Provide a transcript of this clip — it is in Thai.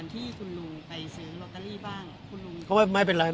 ที่คุณลุงไปซื้อรอเตอรี่บ้าง